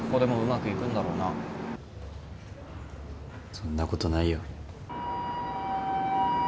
そんなことないよ。